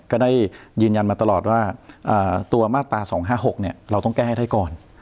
ก็ได้ยืนยันมาตลอดว่าตัวมาตรา๒๕๖เราต้องแก้ให้ได้ก่อน